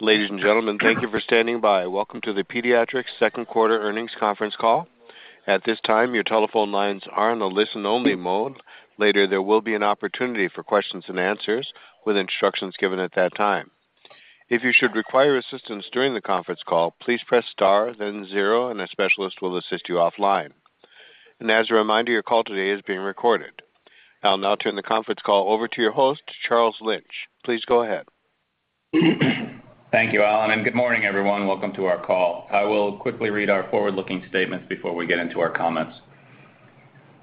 Ladies and gentlemen, thank you for standing by. Welcome to the Pediatrix Second Quarter Earnings Conference Call. At this time, your telephone lines are in a listen-only mode. Later, there will be an opportunity for questions and answers with instructions given at that time. If you should require assistance during the conference call, please press star then zero, and a specialist will assist you offline. As a reminder, your call today is being recorded. I'll now turn the conference call over to your host, Charles Lynch. Please go ahead. Thank you, Alan. Good morning, everyone. Welcome to our call. I will quickly read our forward-looking statements before we get into our comments.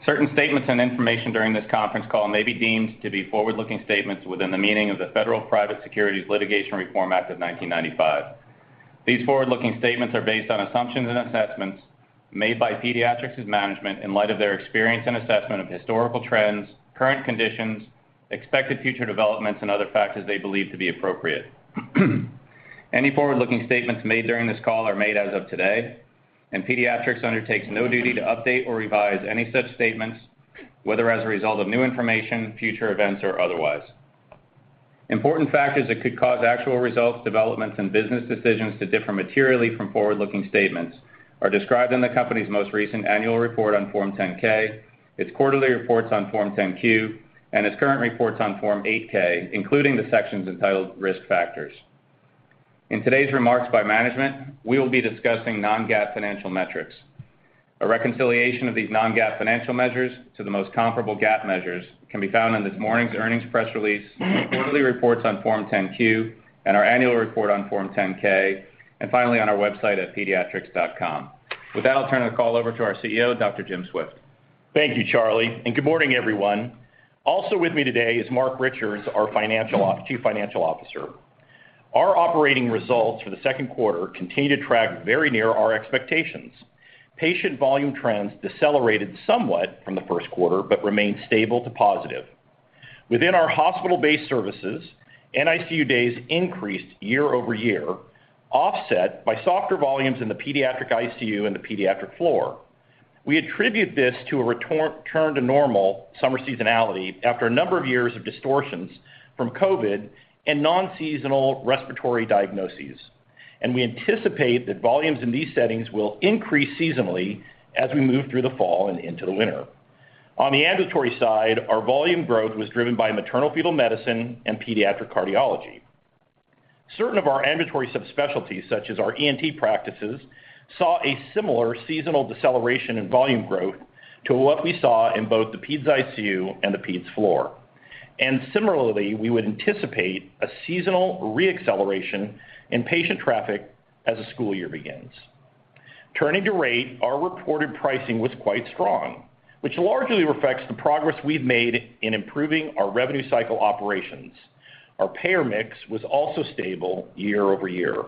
Certain statements and information during this conference call may be deemed to be forward-looking statements within the meaning of the Federal Private Securities Litigation Reform Act of 1995. These forward-looking statements are based on assumptions and assessments made by Pediatrix's management in light of their experience and assessment of historical trends, current conditions, expected future developments, and other factors they believe to be appropriate. Any forward-looking statements made during this call are made as of today. Pediatrix undertakes no duty to update or revise any such statements, whether as a result of new information, future events, or otherwise. Important factors that could cause actual results, developments, and business decisions to differ materially from forward-looking statements are described in the company's most recent annual report on Form 10-K, its quarterly reports on Form 10-Q, and its current reports on Form 8-K, including the sections entitled Risk Factors. In today's remarks by management, we will be discussing non-GAAP financial metrics. A reconciliation of these non-GAAP financial measures to the most comparable GAAP measures can be found in this morning's earnings press release, quarterly reports on Form 10-Q, and our annual report on Form 10-K, and finally, on our website at pediatrix.com. With that, I'll turn the call over to our CEO, Dr. Jim Swift. Thank you, Charles, and good morning, everyone. Also with me today is Marc Richards, our Chief Financial Officer. Our operating results for the second quarter continue to track very near our expectations. Patient volume trends decelerated somewhat from the first quarter, but remained stable to positive. Within our hospital-based services, NICU days increased year-over-year, offset by softer volumes in the pediatric ICU and the pediatric floor. We attribute this to a return to normal summer seasonality after a number of years of distortions from COVID and non-seasonal respiratory diagnoses. We anticipate that volumes in these settings will increase seasonally as we move through the fall and into the winter. On the ambulatory side, our volume growth was driven by maternal-fetal medicine and pediatric cardiology. Certain of our ambulatory subspecialties, such as our ENT practices, saw a similar seasonal deceleration in volume growth to what we saw in both the peds ICU and the peds floor. Similarly, we would anticipate a seasonal re-acceleration in patient traffic as the school year begins. Turning to rate, our reported pricing was quite strong, which largely reflects the progress we've made in improving our revenue cycle operations. Our payer mix was also stable year-over-year.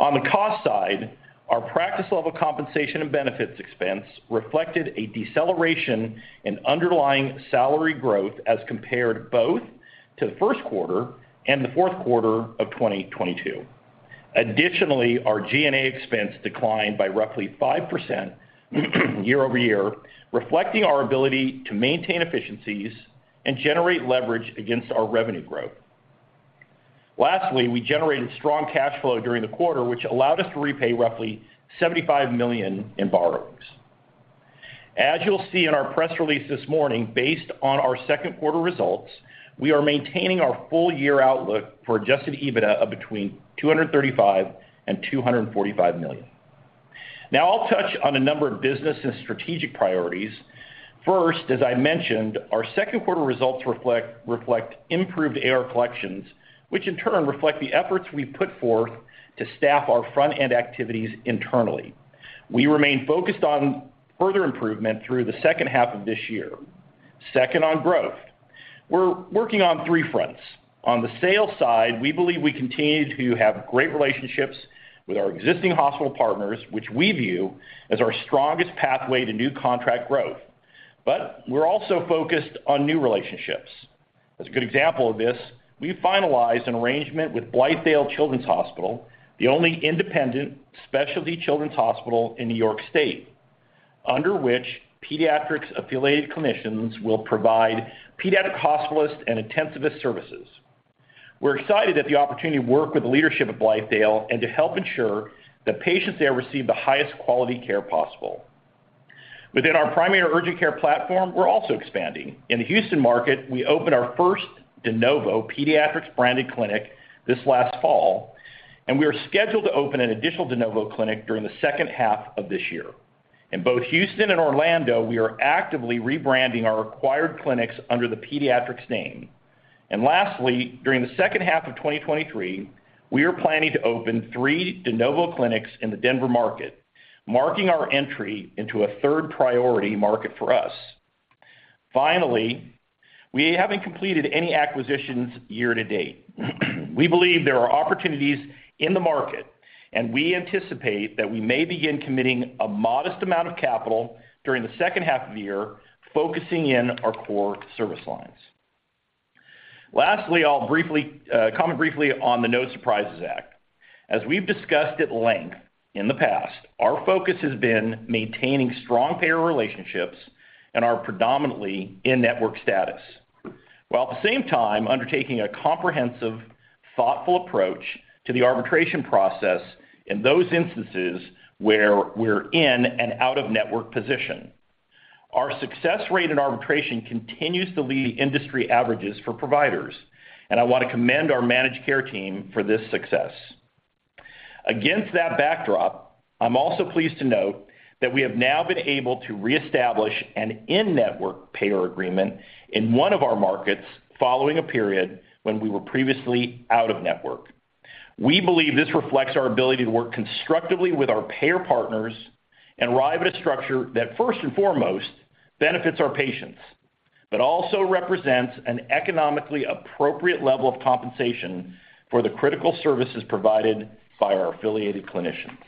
On the cost side, our practice-level compensation and benefits expense reflected a deceleration in underlying salary growth as compared both to the first quarter and the fourth quarter of 2022. Additionally, our G&A expense declined by roughly 5% year-over-year, reflecting our ability to maintain efficiencies and generate leverage against our revenue growth. Lastly, we generated strong cash flow during the quarter, which allowed us to repay roughly $75 million in borrowings. As you'll see in our press release this morning, based on our second quarter results, we are maintaining our full-year outlook for adjusted EBITDA of between $235 million and $245 million. I'll touch on a number of business and strategic priorities. First, as I mentioned, our second quarter results reflect improved AR collections, which in turn reflect the efforts we've put forth to staff our front-end activities internally. We remain focused on further improvement through the second half of this year. Second, on growth. We're working on 3 fronts. On the sales side, we believe we continue to have great relationships with our existing hospital partners, which we view as our strongest pathway to new contract growth, but we're also focused on new relationships. As a good example of this, we finalized an arrangement with Blythedale Children's Hospital, the only independent specialty children's hospital in New York State, under which Pediatrix Affiliated Clinicians will provide pediatric hospitalist and intensivist services. We're excited at the opportunity to work with the leadership of Blythedale and to help ensure that patients there receive the highest quality care possible. Within our primary urgent care platform, we're also expanding. In the Houston market, we opened our first de novo Pediatrix-branded clinic this last fall, and we are scheduled to open an additional de novo clinic during the second half of this year. In both Houston and Orlando, we are actively rebranding our acquired clinics under the Pediatrix name. Lastly, during the second half of 2023, we are planning to open 3 de novo clinics in the Denver market, marking our entry into a third priority market for us. Finally, we haven't completed any acquisitions year to date. We believe there are opportunities in the market, and we anticipate that we may begin committing a modest amount of capital during the second half of the year, focusing in our core service lines. Lastly, I'll briefly comment briefly on the No Surprises Act. As we've discussed at length in the past, our focus has been maintaining strong payer relationships and our predominantly in-network status, while at the same time undertaking a comprehensive, thoughtful approach to the arbitration process in those instances where we're in an out-of-network position. Our success rate in arbitration continues to lead industry averages for providers, and I want to commend our managed care team for this success. Against that backdrop, I'm also pleased to note that we have now been able to reestablish an in-network payer agreement in one of our markets following a period when we were previously out-of-network. We believe this reflects our ability to work constructively with our payer partners and arrive at a structure that first and foremost benefits our patients, but also represents an economically appropriate level of compensation for the critical services provided by our affiliated clinicians.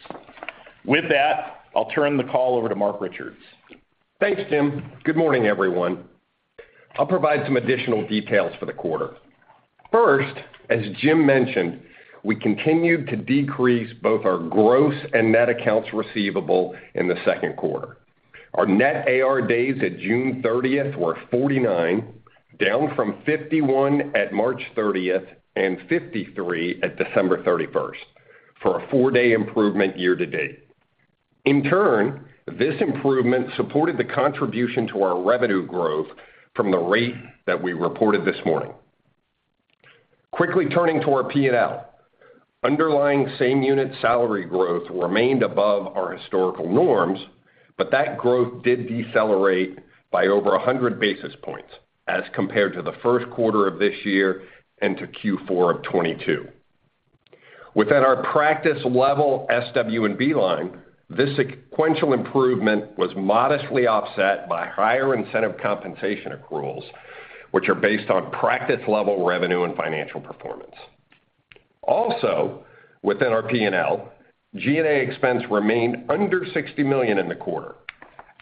With that, I'll turn the call over to Marc Richards. Thanks, Jim. Good morning, everyone. I'll provide some additional details for the quarter. First, as Jim mentioned, we continued to decrease both our gross and net accounts receivable in the second quarter. Our net AR days at June 30th were 49, down from 51 at March 31st and 53 at December 31st, for a 4-day improvement year-to-date. In turn, this improvement supported the contribution to our revenue growth from the rate that we reported this morning. Quickly turning to our P&L. Underlying same-unit salary growth remained above our historical norms. That growth did decelerate by over 100 basis points as compared to the first quarter of this year and to Q4 of 2022. Within our practice level, SWB line, this sequential improvement was modestly offset by higher incentive compensation accruals, which are based on practice-level revenue and financial performance. Also, within our P&L, G&A expense remained under $60 million in the quarter,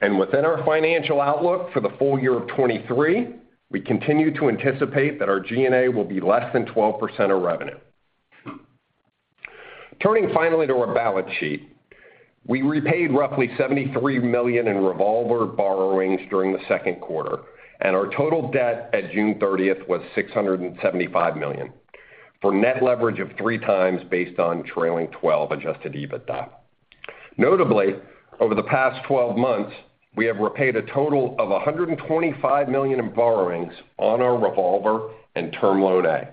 and within our financial outlook for the full year of 2023, we continue to anticipate that our G&A will be less than 12% of revenue. Turning finally to our balance sheet. We repaid roughly $73 million in revolver borrowings during the second quarter, and our total debt at June thirtieth was $675 million, for net leverage of 3 times based on trailing twelve-month adjusted EBITDA. Notably, over the past 12 months, we have repaid a total of $125 million in borrowings on our revolver and Term Loan A.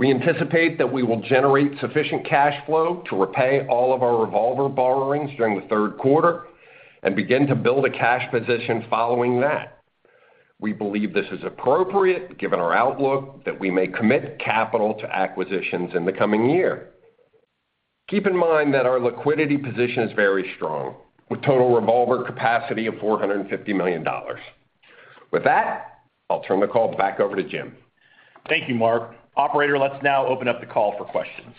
We anticipate that we will generate sufficient cash flow to repay all of our revolver borrowings during the third quarter and begin to build a cash position following that. We believe this is appropriate, given our outlook, that we may commit capital to acquisitions in the coming year. Keep in mind that our liquidity position is very strong, with total revolver capacity of $450 million. With that, I'll turn the call back over to Jim. Thank you, Marc. Operator, let's now open up the call for questions.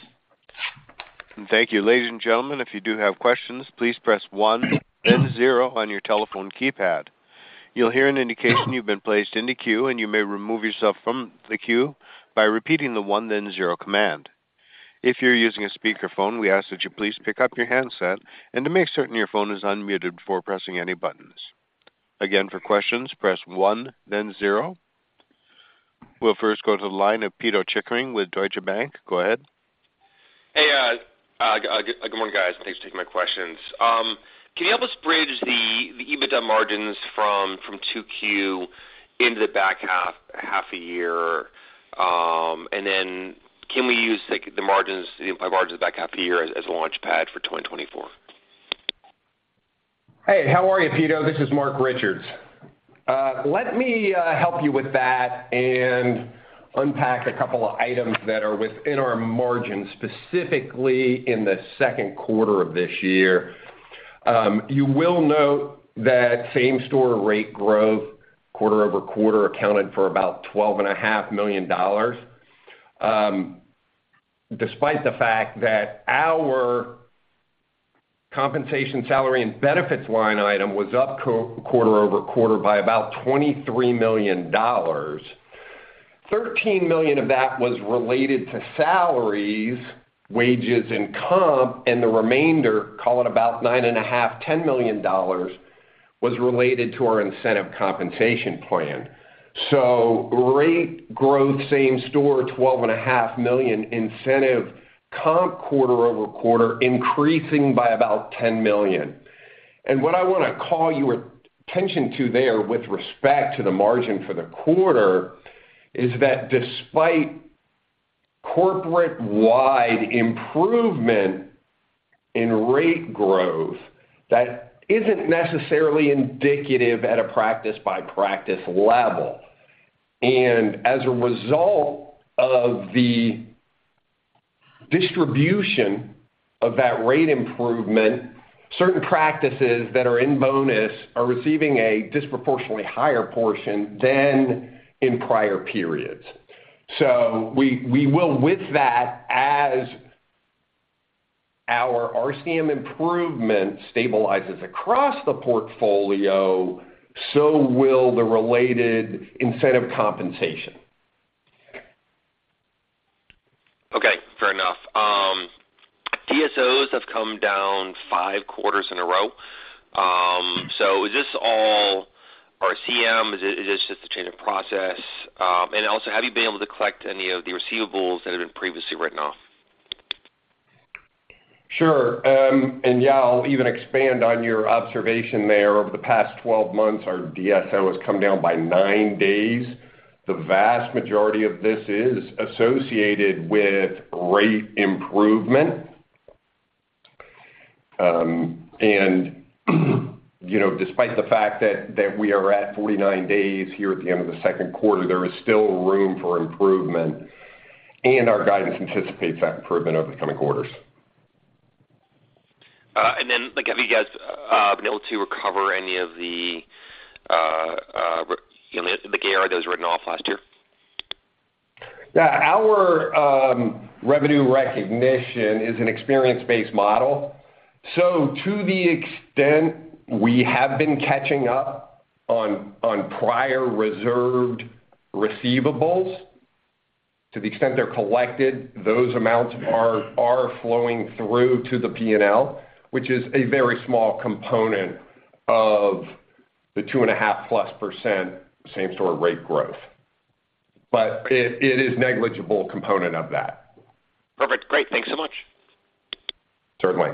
Thank you. Ladies and gentlemen, if you do have questions, please press 1 then 0 on your telephone keypad. You'll hear an indication you've been placed in the queue, and you may remove yourself from the queue by repeating the 1 then 0 command. If you're using a speakerphone, we ask that you please pick up your handset and to make certain your phone is unmuted before pressing any buttons. Again, for questions, press 1 then 0. We'll first go to the line of Peter Chickering with Deutsche Bank. Go ahead. Hey, good morning, guys. Thanks for taking my questions. Can you help us bridge the, the EBITDA margins from, from 2Q into the back half, half a year? Then can we use, like, the margins, the margins back half a year as, as a launchpad for 2024? Hey, how are you, Peter? This is Marc Richards. Let me help you with that and unpack a couple of items that are within our margins, specifically in the second quarter of this year. You will note that same-store rate growth, quarter-over-quarter, accounted for about $12.5 million. Despite the fact that our compensation, salary, and benefits line item was up quarter-over-quarter by about $23 million, $13 million of that was related to salaries, wages, and comp, and the remainder, call it about $9.5 million-$10 million, was related to our incentive compensation plan. Rate growth, same-store, $12.5 million, incentive compensation, quarter-over-quarter, increasing by about $10 million. What I wanna call your attention to there with respect to the margin for the quarter, is that despite corporate-wide improvement in rate growth, that isn't necessarily indicative at a practice-by-practice level. As a result of the distribution of that rate improvement, certain practices that are in bonus are receiving a disproportionately higher portion than in prior periods. We, we will, with that, our RCM improvement stabilizes across the portfolio, so will the related incentive compensation. Okay, fair enough. DSOs have come down five quarters in a row. Is this all RCM? Is it, is this just a change of process? Have you been able to collect any of the receivables that have been previously written off? Sure. Yeah, I'll even expand on your observation there. Over the past 12 months, our DSO has come down by 9 days. The vast majority of this is associated with rate improvement. You know, despite the fact that, that we are at 49 days here at the end of the second quarter, there is still room for improvement, and our guidance anticipates that improvement over the coming quarters. Then, like, have you guys, been able to recover any of the, you know, the AR that was written off last year? Our revenue recognition is an experience-based model. To the extent we have been catching up on prior reserved receivables, to the extent they're collected, those amounts are flowing through to the P&L, which is a very small component of the 2.5+% same-store rate growth. It is negligible component of that. Perfect. Great. Thank you so much. Certainly.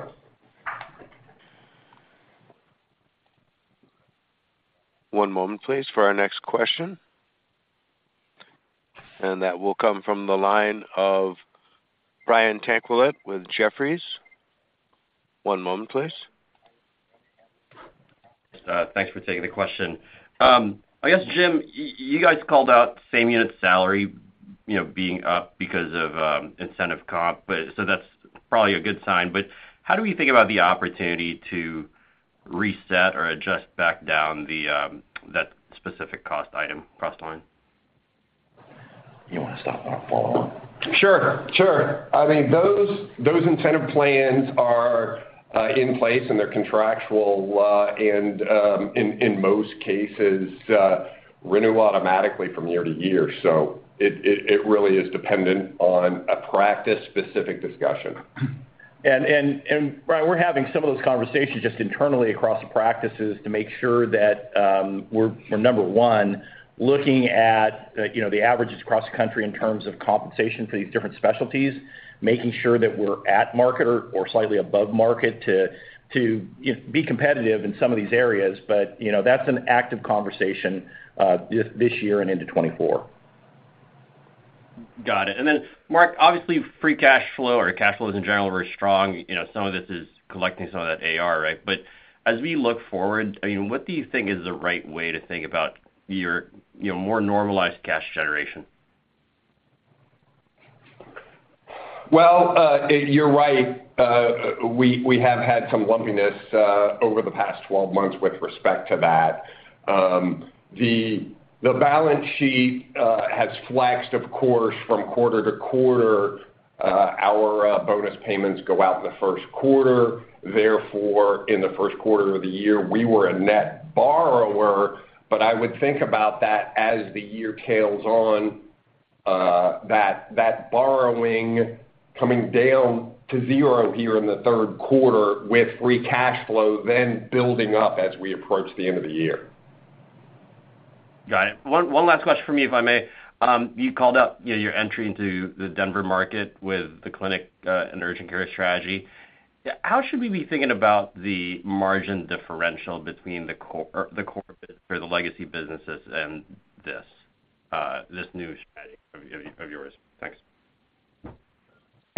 One moment, please, for our next question. That will come from the line of Brian Tanquilut with Jefferies. One moment, please. Thanks for taking the question. I guess, Jim, you guys called out same-unit salary, you know, being up because of incentive compensation, but so that's probably a good sign. How do we think about the opportunity to reset or adjust back down the that specific cost item, cost line? You wanna start off follow-up? Sure, sure. I mean, those, those incentive plans are in place, and they're contractual, and, in most cases, renew automatically from year to year. It really is dependent on a practice-specific discussion. Brian, we're having some of those conversations just internally across the practices to make sure that we're, number one, looking at, you know, the averages across the country in terms of compensation for these different specialties, making sure that we're at market or, or slightly above market to, you know, be competitive in some of these areas. You know, that's an active conversation this, this year and into 2024. Got it. Then, Marc, obviously, free cash flow or cash flows in general are very strong. You know, some of this is collecting some of that AR, right? As we look forward, I mean, what do you think is the right way to think about your, you know, more normalized cash generation? Well, you're right. We have had some lumpiness over the past 12 months with respect to that. The balance sheet has flexed, of course, from quarter to quarter. Our bonus payments go out in the 1st quarter. Therefore, in the 1st quarter of the year, we were a net borrower, but I would think about that as the year tails on, that borrowing coming down to 0 here in the 3rd quarter with free cash flow then building up as we approach the end of the year. Got it. One, one last question for me, if I may. You called out, you know, your entry into the Denver market with the clinic and urgent care strategy. How should we be thinking about the margin differential between the core for the legacy businesses and this new strategy of yours? Thanks.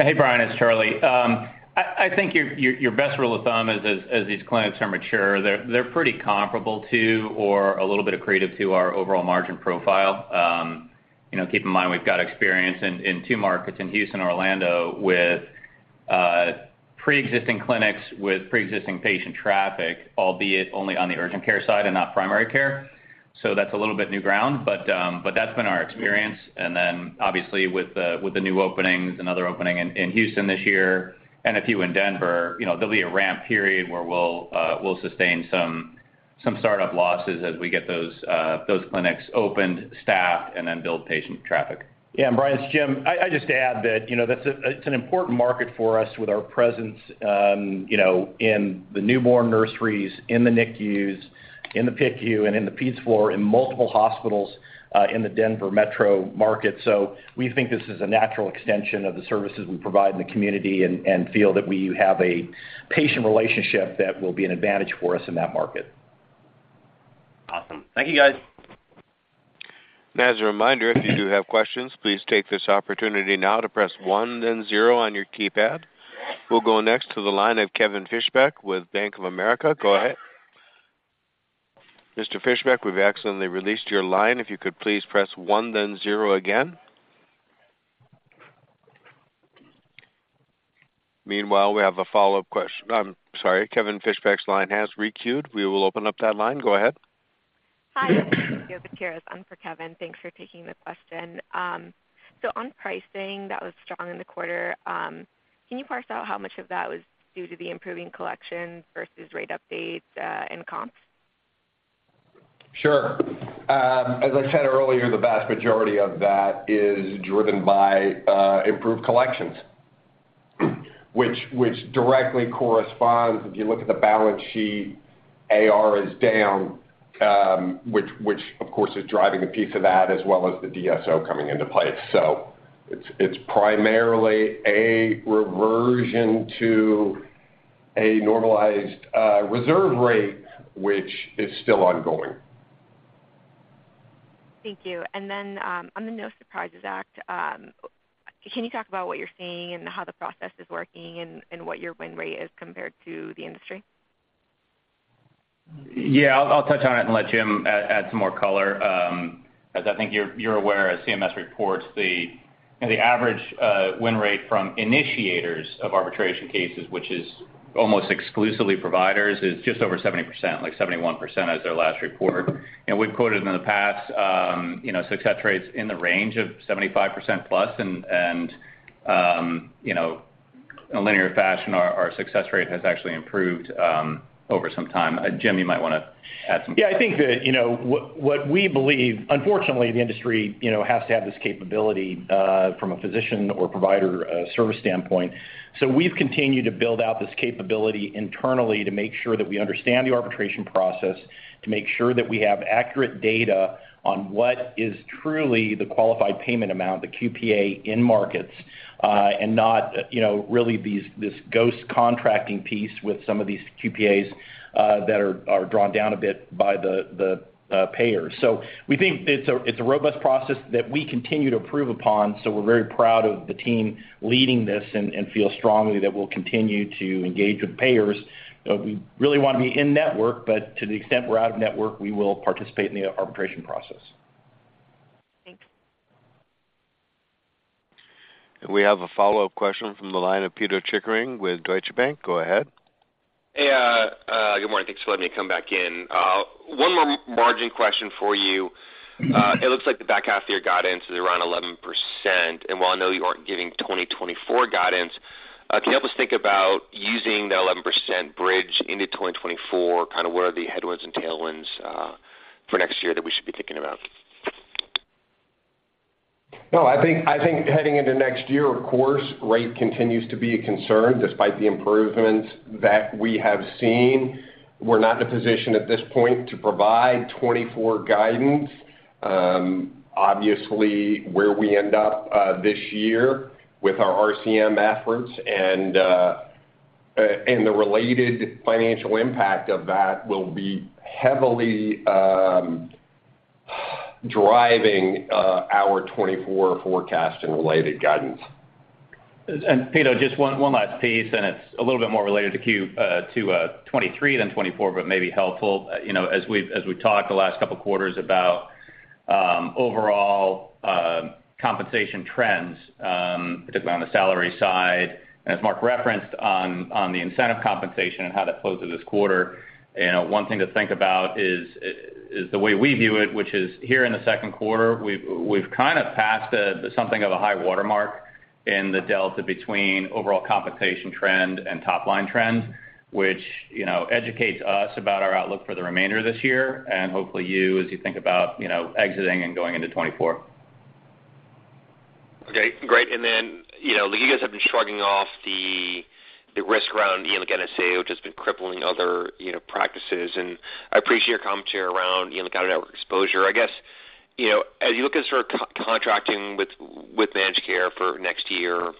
Hey, Brian, it's Charles. I, I think your, your, your best rule of thumb is as, as these clinics are mature, they're, they're pretty comparable to, or a little bit accretive to our overall margin profile. you know, keep in mind, we've got experience in, in 2 markets, in Houston and Orlando, with preexisting clinics, with preexisting patient traffic, albeit only on the urgent care side and not primary care. That's a little bit new ground, but that's been our experience. Then, obviously, with the, with the new openings, another opening in, in Houston this year and a few in Denver, you know, there'll be a ramp period where we'll sustain some, some startup losses as we get those clinics opened, staffed, and then build patient traffic. Yeah, Brian, it's Jim. I just add that, you know, that's it's an important market for us with our presence, you know, in the newborn nurseries, in the NICUs, in the PICU, and in the peds floor in multiple hospitals, in the Denver metro market. We think this is a natural extension of the services we provide in the community and, and feel that we have a patient relationship that will be an advantage for us in that market. Awesome. Thank you, guys. As a reminder, if you do have questions, please take this opportunity now to press 1, then 0 on your keypad. We'll go next to the line of Kevin Fischbeck with Bank of America. Go ahead. Mr. Fischbeck, we've accidentally released your line. If you could please press 1, then 0 again. Meanwhile, we have a follow-up, sorry, Kevin Fischbeck's line has re-queued. We will open up that line. Go ahead.... Hi, this is Cynthia Gutierrez. I'm for Kevin. Thanks for taking the question. On pricing, that was strong in the quarter, can you parse out how much of that was due to the improving collection versus rate updates, and comps? Sure. As I said earlier, the vast majority of that is driven by improved collections, which, which directly corresponds, if you look at the balance sheet, AR is down, which, which of course is driving a piece of that, as well as the DSO coming into play. It's primarily a reversion to a normalized reserve rate, which is still ongoing. Thank you. Then, on the No Surprises Act, can you talk about what you're seeing, and how the process is working, and, and what your win rate is compared to the industry? Yeah, I'll, I'll touch on it and let Jim add some more color. As I think you're, you're aware, as CMS reports, the, the average win rate from initiators of arbitration cases, which is almost exclusively providers, is just over 70%, like 71% as their last report. We've quoted in the past, you know, success rates in the range of 75% plus, and, and, you know, in a linear fashion, our, our success rate has actually improved over some time. Jim, you might wanna add some- Yeah, I think that, you know, what, what we believe, unfortunately, the industry, you know, has to have this capability from a physician or provider service standpoint. We've continued to build out this capability internally, to make sure that we understand the arbitration process, to make sure that we have accurate data on what is truly the qualifying payment amount, the QPA, in markets, and not, you know, really these this ghost contracting piece with some of these QPAs that are, are drawn down a bit by the payers. We think it's a, it's a robust process that we continue to improve upon, so we're very proud of the team leading this and, and feel strongly that we'll continue to engage with payers. We really want to be in-network, but to the extent we're out-of-network, we will participate in the arbitration process. Thanks. We have a follow-up question from the line of Peter Chickering with Deutsche Bank. Go ahead. Hey, good morning. Thanks for letting me come back in. 1 more margin question for you. Mm-hmm. It looks like the back half of your guidance is around 11%, and while I know you aren't giving 2024 guidance, can you help us think about using the 11% bridge into 2024, kind of where are the headwinds and tailwinds, for next year that we should be thinking about? No, I think, I think heading into next year, of course, rate continues to be a concern, despite the improvements that we have seen. We're not in a position at this point to provide 2024 guidance. Obviously, where we end up this year with our RCM efforts and the related financial impact of that will be heavily driving our 2024 forecast and related guidance. Peter, just 1, 1 last piece, and it's a little bit more related to Q--, to 2023 than 2024, but may be helpful. You know, as we've, as we've talked the last couple quarters about, overall, compensation trends, particularly on the salary side, and as Marc referenced on, on the incentive compensation and how that closed to this quarter, you know, 1 thing to think about is, is the way we view it, which is here in the second quarter, we've, we've kind of passed, something of a high watermark in the delta between overall compensation trend and top-line trends, which, you know, educates us about our outlook for the remainder of this year, and hopefully you, as you think about, you know, exiting and going into 2024. Okay, great. Then, you know, you guys have been shrugging off the, the risk around the NSA, which has been crippling other, you know, practices, and I appreciate your commentary around, you know, out-of-network exposure. I guess, you know, as you look at sort of co-contracting with, with managed care for next year,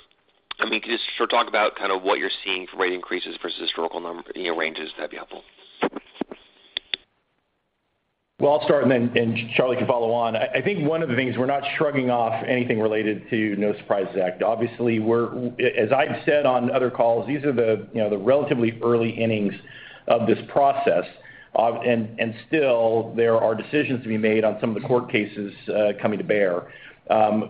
I mean, can you just sort of talk about kind of what you're seeing for rate increases versus historical num-- you know, ranges, that'd be helpful. Well, I'll start, and then Charles can follow on. I think one of the things, we're not shrugging off anything related to No Surprises Act. Obviously, we're as I've said on other calls, these are the, you know, the relatively early innings of this process. Still, there are decisions to be made on some of the court cases coming to bear.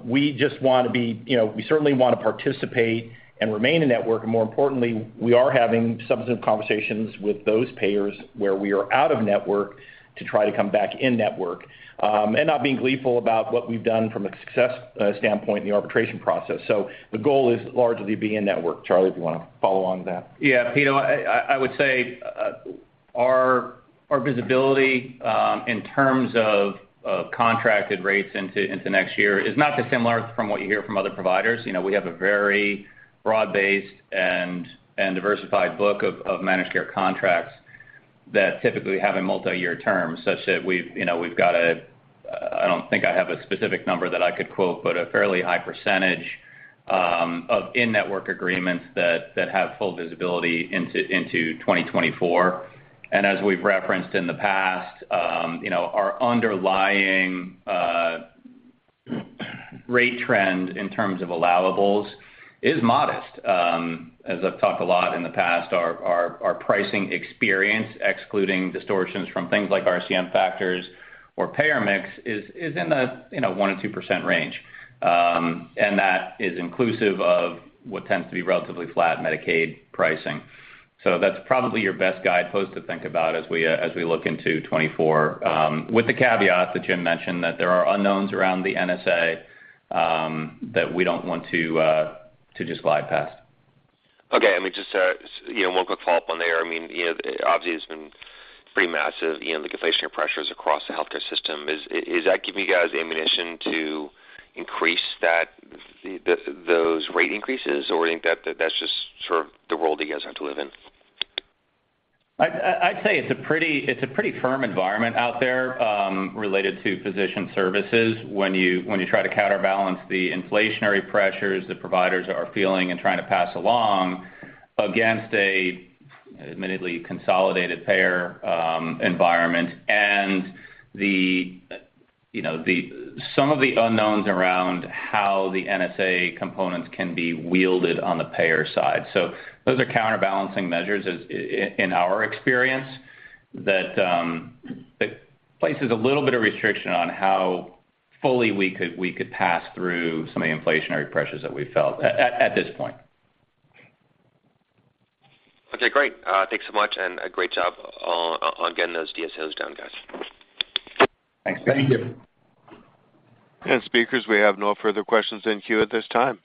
We just want to be you know, we certainly want to participate and remain in-network, and more importantly, we are having substantive conversations with those payers where we are out-of-network, to try to come back in-network. Not being gleeful about what we've done from a success standpoint in the arbitration process. The goal is largely be in-network. Charles, if you wanna follow on with that. Yeah, Peter, I, I, I would say, our visibility in terms of contracted rates into next year is not dissimilar from what you hear from other providers. You know, we have a very broad-based and diversified book of managed care contracts that typically have a multiyear term, such that we've, you know, we've got a... I don't think I have a specific number that I could quote, but a fairly high percentage of in-network agreements that have full visibility into 2024. As we've referenced in the past, you know, our underlying rate trend in terms of allowables is modest. As I've talked a lot in the past, our pricing experience, excluding distortions from things like RCM factors or payer mix, is in a, you know, 1%-2% range. That is inclusive of what tends to be relatively flat Medicaid pricing. That's probably your best guidepost to think about as we look into 2024, with the caveat that Jim mentioned, that there are unknowns around the NSA that we don't want to just glide past. Okay. Let me just, you know, one quick follow-up on there. I mean, you know, obviously, it's been pretty massive, the inflationary pressures across the healthcare system. Is that giving you guys the ammunition to increase that, the, the, those rate increases, or you think that, that's just sort of the world that you guys have to live in? I, I, I'd say it's a pretty, it's a pretty firm environment out there, related to physician services, when you, when you try to counterbalance the inflationary pressures that providers are feeling and trying to pass along, against a admittedly consolidated payer, environment, and the, you know, the, some of the unknowns around how the NSA components can be wielded on the payer side. Those are counterbalancing measures, as in our experience, that places a little bit of restriction on how fully we could, we could pass through some of the inflationary pressures that we've felt at, at, at this point. Okay, great. Thanks so much, and a great job on, on getting those DSOs down, guys. Thanks. Thank you. Speakers, we have no further questions in queue at this time.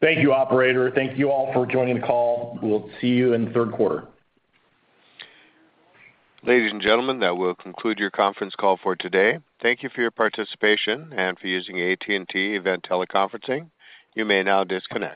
Thank you, operator. Thank you all for joining the call. We'll see you in the third quarter. Ladies and gentlemen, that will conclude your conference call for today. Thank you for your participation and for using AT&T Event Teleconferencing. You may now disconnect.